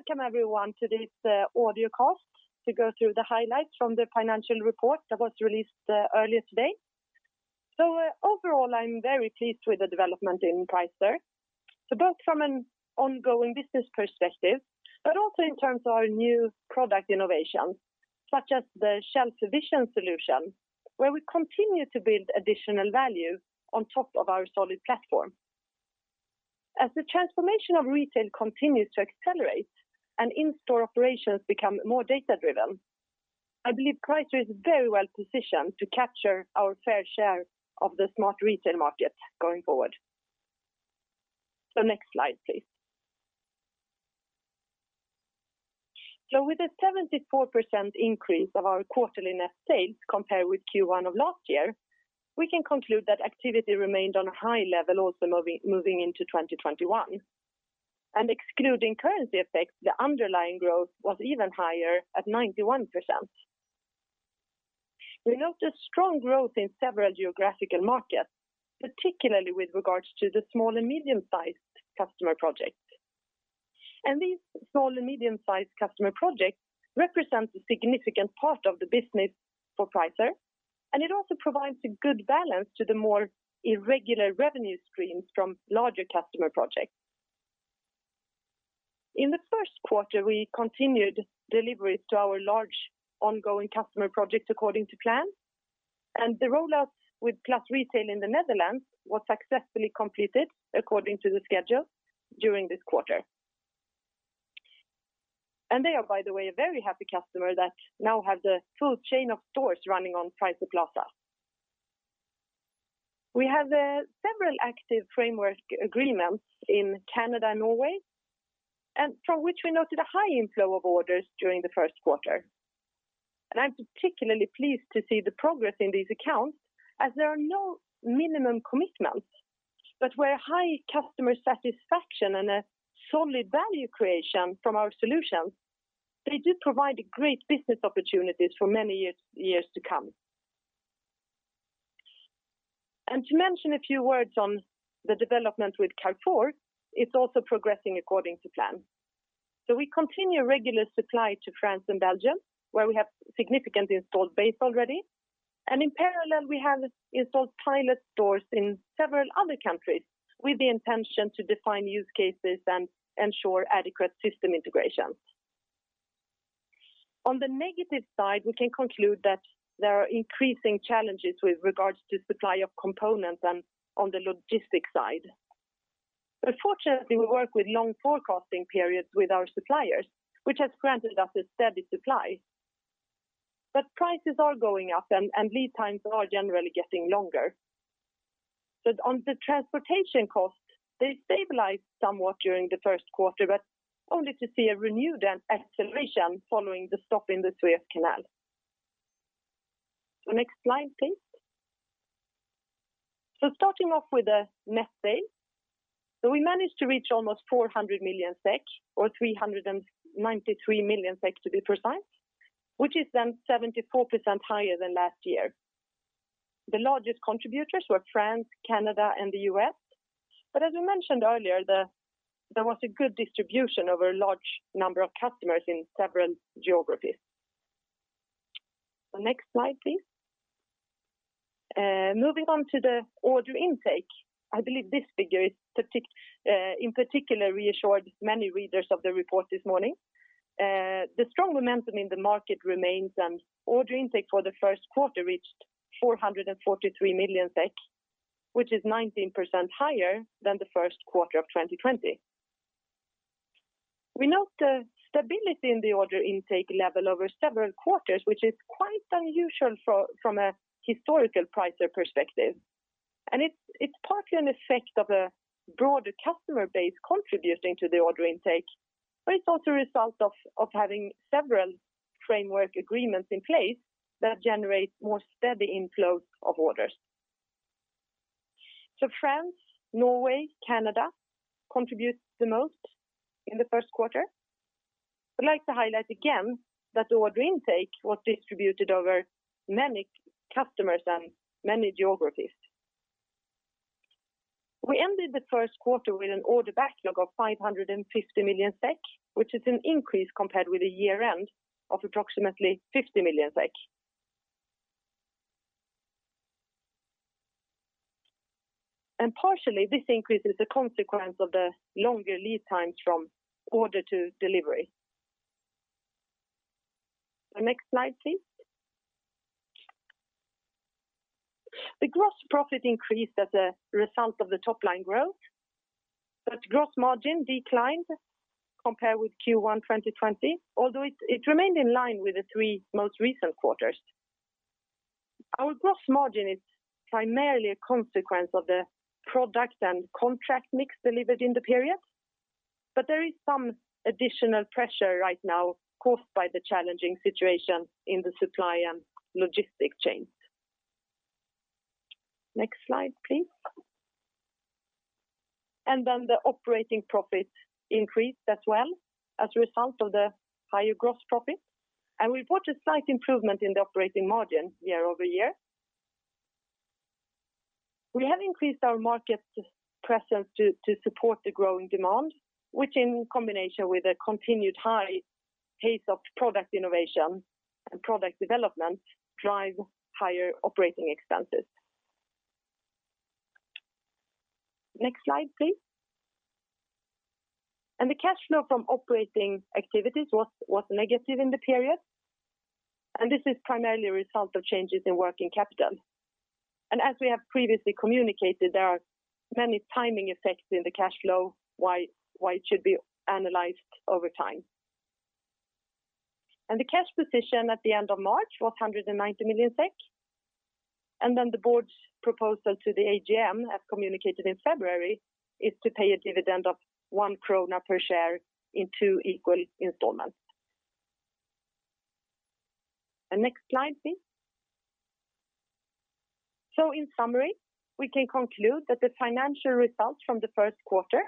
Welcome everyone to this audio call to go through the highlights from the financial report that was released earlier today. Overall, I am very pleased with the development in Pricer. Both from an ongoing business perspective, but also in terms of our new product innovations, such as the Shelf Vision solution, where we continue to build additional value on top of our solid platform. As the transformation of retail continues to accelerate and in-store operations become more data-driven, I believe Pricer is very well-positioned to capture our fair share of the smart retail market going forward. Next slide, please. With a 74% increase of our quarterly net sales compared with Q1 2020, we can conclude that activity remained on a high level also moving into 2021. Excluding currency effects, the underlying growth was even higher at 91%. We noticed strong growth in several geographical markets, particularly with regards to the small and medium-sized customer projects. These small and medium-sized customer projects represent a significant part of the business for Pricer, and it also provides a good balance to the more irregular revenue streams from larger customer projects. In the first quarter, we continued deliveries to our large ongoing customer projects according to plan, and the rollout with PLUS Retail in the Netherlands was successfully completed according to the schedule during this quarter. They are, by the way, a very happy customer that now have the full chain of stores running on Pricer Plaza. We have several active framework agreements in Canada and Norway, and from which we noted a high inflow of orders during the first quarter. I'm particularly pleased to see the progress in these accounts as there are no minimum commitments. Where high customer satisfaction and a solid value creation from our solutions, they do provide great business opportunities for many years to come. To mention a few words on the development with Carrefour, it's also progressing according to plan. We continue regular supply to France and Belgium, where we have significant installed base already. In parallel, we have installed pilot stores in several other countries with the intention to define use cases and ensure adequate system integration. On the negative side, we can conclude that there are increasing challenges with regards to supply of components and on the logistics side. Fortunately, we work with long forecasting periods with our suppliers, which has granted us a steady supply. Prices are going up and lead times are generally getting longer. On the transportation cost, they stabilized somewhat during the first quarter, only to see a renewed acceleration following the stop in the Suez Canal. Next slide, please. Starting off with the net sales. We managed to reach almost 400 million SEK, or 393 million SEK to be precise, which is 74% higher than last year. The largest contributors were France, Canada, and the U.S., as we mentioned earlier, there was a good distribution over a large number of customers in several geographies. Next slide, please. Moving on to the order intake. I believe this figure in particular reassured many readers of the report this morning. The strong momentum in the market remains, order intake for the first quarter reached 443 million SEK, which is 19% higher than the first quarter of 2020. We note stability in the order intake level over several quarters, which is quite unusual from a historical Pricer perspective. It's partly an effect of a broader customer base contributing to the order intake, but it's also a result of having several framework agreements in place that generate more steady inflows of orders. France, Norway, Canada contributed the most in the first quarter. I'd like to highlight again that order intake was distributed over many customers and many geographies. We ended the first quarter with an order backlog of 550 million SEK, which is an increase compared with the year-end of approximately 50 million SEK. Partially, this increase is a consequence of the longer lead times from order to delivery. Next slide, please. The gross profit increased as a result of the top-line growth, but gross margin declined compared with Q1 2020, although it remained in line with the three most recent quarters. Our gross margin is primarily a consequence of the product and contract mix delivered in the period, but there is some additional pressure right now caused by the challenging situation in the supply and logistics chains. Next slide, please. The operating profit increased as well as a result of the higher gross profit. We've watched a slight improvement in the operating margin year-over-year. We have increased our market presence to support the growing demand, which in combination with a continued high pace of product innovation and product development, drive higher operating expenses. Next slide, please. The cash flow from operating activities was negative in the period, this is primarily a result of changes in working capital. As we have previously communicated, there are many timing effects in the cash flow, why it should be analyzed over time. The cash position at the end of March was 190 million SEK. The board's proposal to the AGM, as communicated in February, is to pay a dividend of 1 krona per share in two equal installments. Next slide, please. In summary, we can conclude that the financial results from the first quarter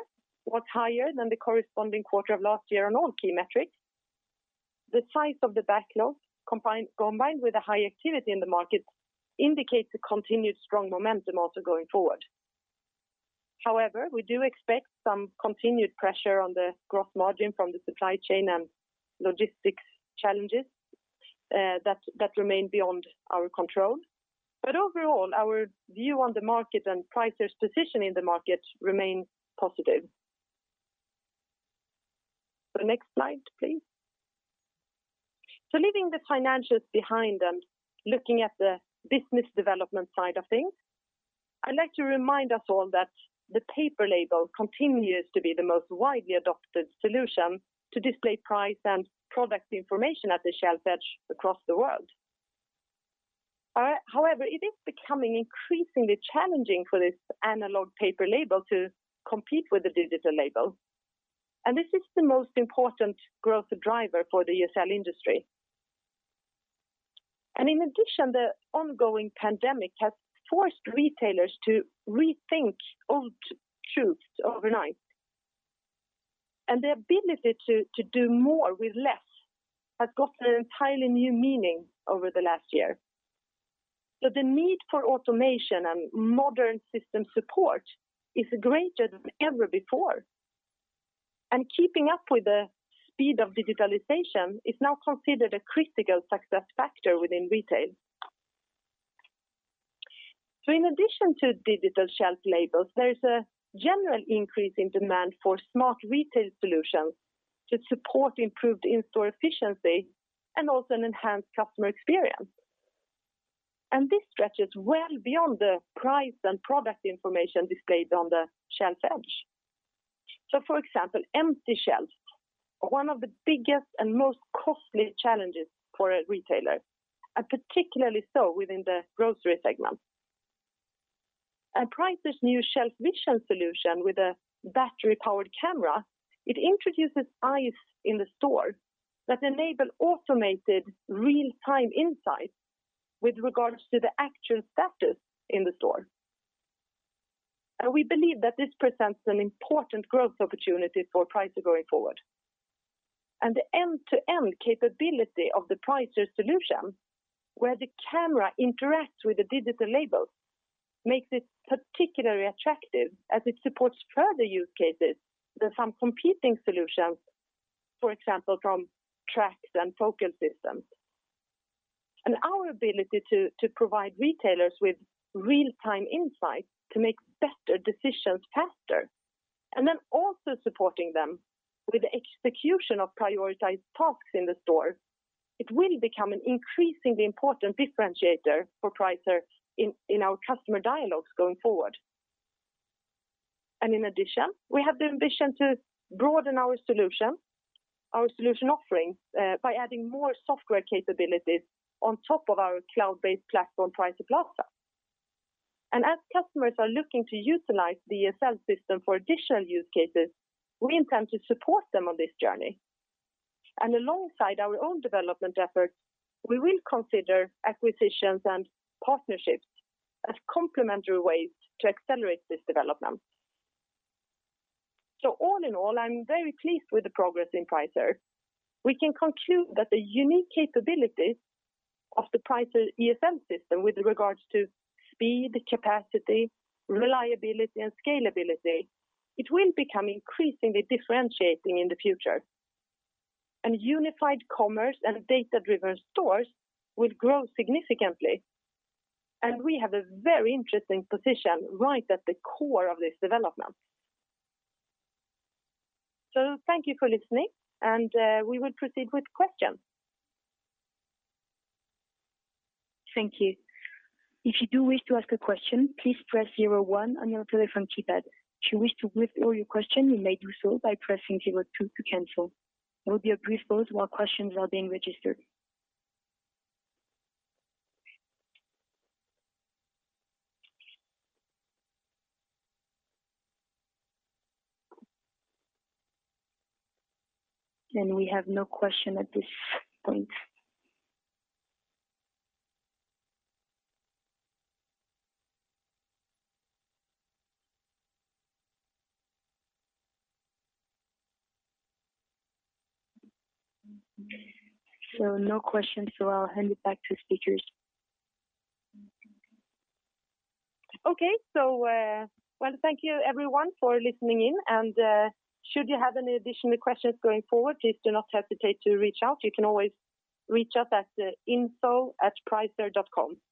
was higher than the corresponding quarter of last year on all key metrics. The size of the backlog, combined with a high activity in the market, indicates a continued strong momentum also going forward. However, we do expect some continued pressure on the gross margin from the supply chain and logistics challenges that remain beyond our control. Overall, our view on the market and Pricer's position in the market remains positive. The next slide, please. Leaving the financials behind and looking at the business development side of things, I'd like to remind us all that the paper label continues to be the most widely adopted solution to display price and product information at the shelf edge across the world. However, it is becoming increasingly challenging for this analog paper label to compete with the digital label. This is the most important growth driver for the ESL industry. In addition, the ongoing pandemic has forced retailers to rethink old truths overnight. The ability to do more with less has gotten an entirely new meaning over the last year. The need for automation and modern system support is greater than ever before. Keeping up with the speed of digitalization is now considered a critical success factor within retail. In addition to digital shelf labels, there is a general increase in demand for smart retail solutions to support improved in-store efficiency and also an enhanced customer experience. This stretches well beyond the price and product information displayed on the shelf edge. For example, empty shelves, one of the biggest and most costly challenges for a retailer, and particularly so within the grocery segment. Pricer's new Shelf Vision solution with a battery-powered camera, it introduces eyes in the store that enable automated real-time insights with regards to the actual status in the store. We believe that this presents an important growth opportunity for Pricer going forward. The end-to-end capability of the Pricer solution, where the camera interacts with the digital labels, makes it particularly attractive as it supports further use cases than some competing solutions, for example, from Trax and Focal Systems. Our ability to provide retailers with real-time insights to make better decisions faster, and then also supporting them with the execution of prioritized tasks in the store, it will become an increasingly important differentiator for Pricer in our customer dialogues going forward. In addition, we have the ambition to broaden our solution offering by adding more software capabilities on top of our cloud-based platform, Pricer Plaza. As customers are looking to utilize the ESL system for additional use cases, we intend to support them on this journey. Alongside our own development efforts, we will consider acquisitions and partnerships as complementary ways to accelerate this development. All in all, I'm very pleased with the progress in Pricer. We can conclude that the unique capabilities of the Pricer ESL system with regards to speed, capacity, reliability, and scalability, it will become increasingly differentiating in the future. Unified commerce and data-driven stores will grow significantly. We have a very interesting position right at the core of this development. Thank you for listening, and we will proceed with questions. Thank you. If you do wish to ask a question, please press zero one on your telephone keypad. If you wish to withdraw your question, you may do so by pressing zero two to cancel. There will be a brief pause while questions are being registered. We have no question at this point. No questions, so I'll hand it back to speakers. Okay. Well, thank you everyone for listening in. Should you have any additional questions going forward, please do not hesitate to reach out. You can always reach us at info@pricer.com.